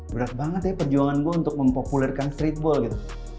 berat banget ya perjuangan gue untuk mempopulerkan streetball gitu